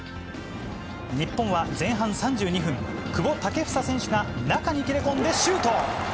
日本は前半３２分、久保建英選手が中に切り込んでシュート。